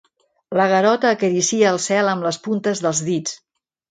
El Garota acaricia el cel amb les puntes dels dits.